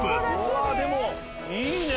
わあでもいいね。